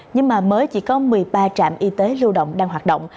nhưng mà mới chỉ có một mươi ba trạm y tế lưu động đang hoạt động